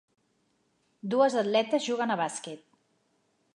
Dues atletes juguen a bàsquet.